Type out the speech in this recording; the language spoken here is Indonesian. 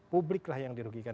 publiklah yang dirugikan